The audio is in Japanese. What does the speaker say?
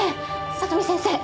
里見先生。